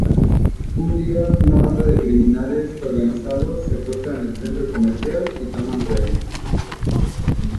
Un día, una banda de criminales organizados secuestran el centro comercial y toman rehenes.